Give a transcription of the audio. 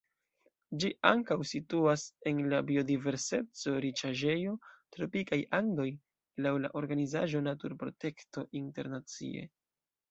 Ĝi ankaŭ situas en la biodiverseco-riĉaĵejo Tropikaj Andoj laŭ la organizaĵo Naturprotekto Internacie.